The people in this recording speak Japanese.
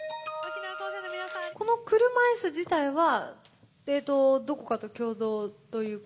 この車いす自体はどこかと共同というか。